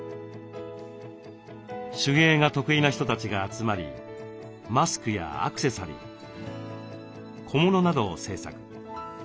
手芸が得意な人たちが集まりマスクやアクセサリー小物などを制作。